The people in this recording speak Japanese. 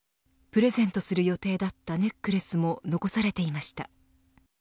プレゼントする予定だったネックレスも残されていました。